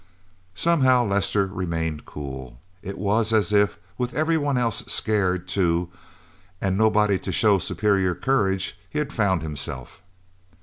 Somehow, Lester remained cool. It was as if, with everyone else scared, too, and nobody to show superior courage, he had found himself.